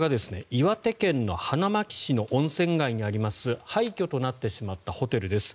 こちらが岩手県花巻市の温泉街にあります廃虚となってしまったホテルです。